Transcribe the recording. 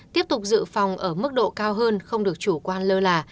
tiếp tục dự phòng ở mức độ cao hơn không được chủ quan lơ là